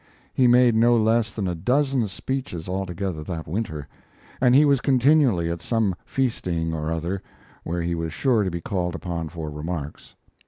He made no less than a dozen speeches altogether that winter, and he was continually at some feasting or other, where he was sure to be called upon for remarks.